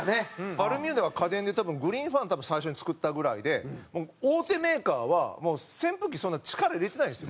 バルミューダは家電で多分グリーンファンを最初に作ったぐらいで大手メーカーはもう扇風機にそんな力入れてないんですよ。